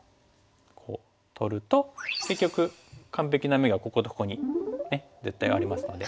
こう取ると結局完璧な眼がこことここに絶対ありますので。